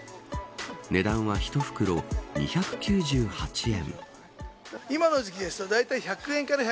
値段は１袋２９８円。